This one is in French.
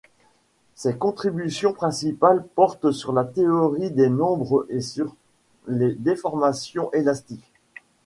Ses contributions principales portent sur la théorie des nombres et sur les déformations élastiques.